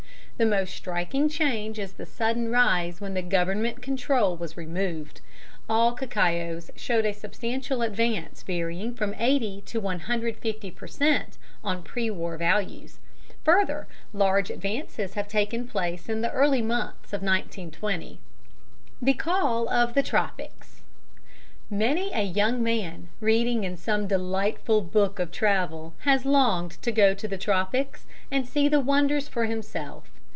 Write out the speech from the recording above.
The most striking change is the sudden rise when the Government control was removed. All cacaos showed a substantial advance varying from 80 to 150 per cent. on pre war values. Further large advances have taken place in the early months of 1920. The Call of the Tropics. Many a young man, reading in some delightful book of travel, has longed to go to the tropics and see the wonders for himself.